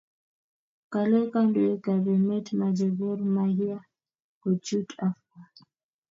Kale Kandoik ab emet mache Gor mahia kochut Afco